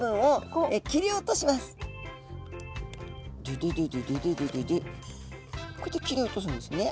こうやって切り落とすんですね。